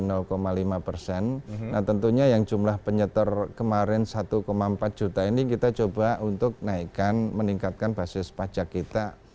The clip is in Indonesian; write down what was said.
nah tentunya yang jumlah penyetor kemarin satu empat juta ini kita coba untuk naikkan meningkatkan basis pajak kita